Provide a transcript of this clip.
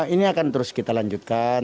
ini akan terus kita lanjutkan